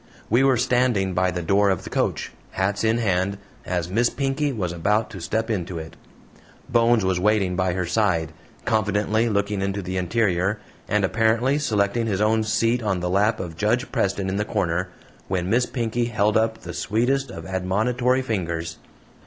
We were standing by the door of the coach, hats in hand, as Miss Pinkey was about to step into it; Bones was waiting by her side, confidently looking into the interior, and apparently selecting his own seat on the lap of Judge Preston in the corner, when Miss Pinkey held up the sweetest of admonitory fingers.